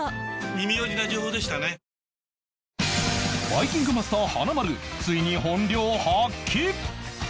バイキングマスター華丸ついに本領発揮！